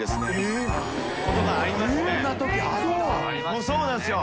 もうそうなんですよ。